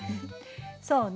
そうね